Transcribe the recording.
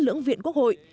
lưỡng viện quốc hội